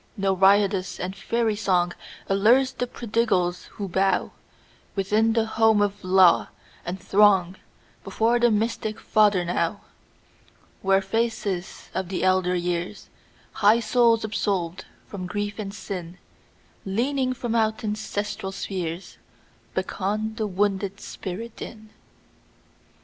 No riotous and fairy songAllures the prodigals who bowWithin the home of law, and throngBefore the mystic Father now, Where faces of the elder years, High souls absolved from grief and sin, Leaning from out ancestral spheresBeckon the wounded spirit in.